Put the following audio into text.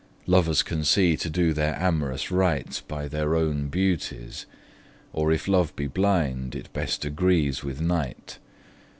Lovers can see to do their amorous rites By their own beauties: or if love be blind, It best agrees with night.